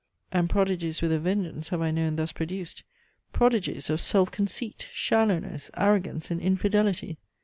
And prodigies with a vengeance have I known thus produced; prodigies of self conceit, shallowness, arrogance, and infidelity!